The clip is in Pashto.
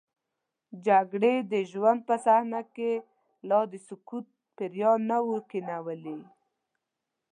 جګړې د ژوند په صحنه کې لا د سکوت پیریان نه وو کینولي.